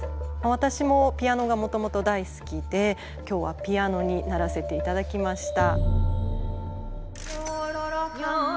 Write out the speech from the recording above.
私もピアノがもともと大好きで今日はピアノにならせていただきました。